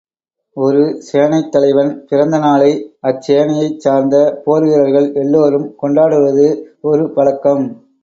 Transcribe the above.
ஒரு சேனைத் தலைவன் பிறந்த நாளை அச்சேனையைச் சார்ந்த போர் வீரர்கள் எல்லாரும் கொண்டாடுவது ஒரு பழக்கம்.